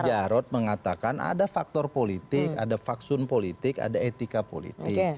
pak jarod mengatakan ada faktor politik ada faksun politik ada etika politik